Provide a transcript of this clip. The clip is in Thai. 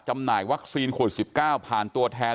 หน่ายวัคซีนขวด๑๙ผ่านตัวแทน